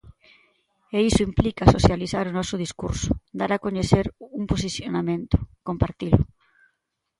E iso implica socializar o noso discurso, dar a coñecer un posicionamento, compartilo.